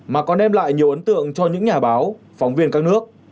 mà còn đem lại nhiều ấn tượng cho những nhà báo phóng viên các nước